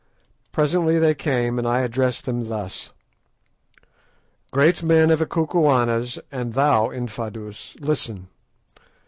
Presently they came, and I addressed them thus— "Great men of the Kukuanas, and thou, Infadoos, listen.